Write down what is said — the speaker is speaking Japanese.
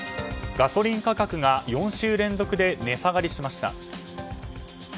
ガソリン価格が４週連続で値下がりしました。